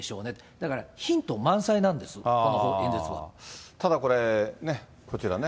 だから、ヒント満載なんです、こただこれ、こちらね。